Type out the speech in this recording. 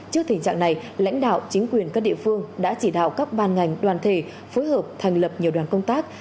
trước tình trạng này lãnh đạo chính quyền các địa phương đã chỉ đạo các ban ngành đoàn thể phối hợp thành lập nhiều đoàn công tác